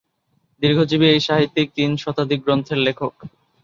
দীর্ঘজীবী এই সাহিত্যিক তিন শতাধিক গ্রন্থের লেখক।